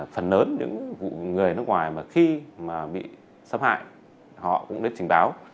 phần lớn những người nước ngoài mà khi mà bị xâm hại họ cũng đến trình báo